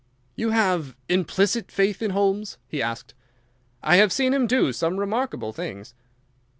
"You have implicit faith in Holmes?" he asked. "I have seen him do some remarkable things."